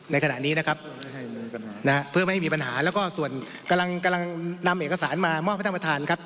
ในขณะนี้นะครับเพื่อไม่ให้มีปัญหาแล้วก็ส่วนกำลังนำเอกสารมามอบให้ท่านประธานครับ